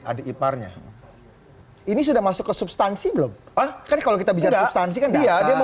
adik iparnya ini sudah masuk ke substansi belum kan kalau kita bisa dapet saksikan dia dia mau